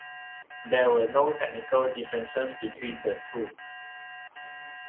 There were no technical differences between the two.